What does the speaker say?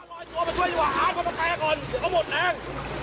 มีล้านคนต้องแค้นก่อนเดี๋ยวเขาหมดแรง